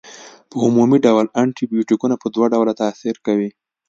په عمومي ډول انټي بیوټیکونه په دوه ډوله تاثیر کوي.